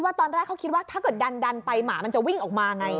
ตอนแรกเขาคิดว่าถ้าเกิดดันไปหมามันจะวิ่งออกมาไง